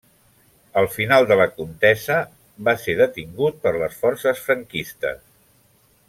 Al final de la contesa va ser detingut per les forces franquistes.